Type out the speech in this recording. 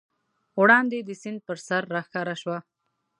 وړاندې د سیند پر سر راښکاره شوه.